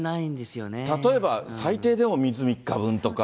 例えば、最低でも水３日分とか。